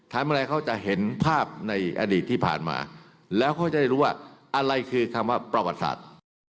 ทำอะไรเขาจะเห็นภาพในอดีตที่ผ่านมาแล้วเขาจะได้รู้ว่าอะไรคือคำว่าประวัติศาสตร์